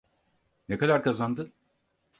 Ne kadar kazandın?